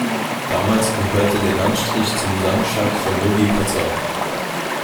Damals gehörte der Landstrich zum Sandschak von Novi Pazar.